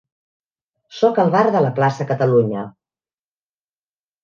Soc al bar de Plaça Catalunya.